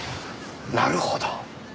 なるほど。